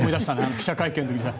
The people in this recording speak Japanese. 記者会見の時に。